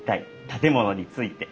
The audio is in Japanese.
建物について。